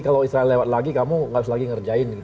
kalau israel lewat lagi kamu nggak harus lagi ngerjain